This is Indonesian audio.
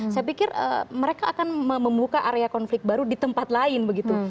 saya pikir mereka akan membuka area konflik baru di tempat lain begitu